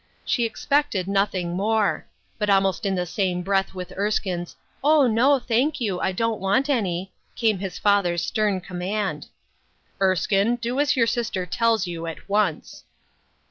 She expected nothing more ; but almost in the same breath with Erskine's " O, no ! thank you ; I don't want any," came his father's stern com mand, —" Erskine, do as your sister tells you, at once